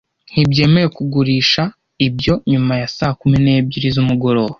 ntibyemewe kugurisha ibyo nyuma ya saa kumi n'ebyiri z'umugoroba